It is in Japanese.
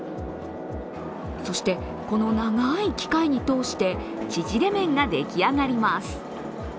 そして、この長い機械に通して縮れ麺が出来上がります。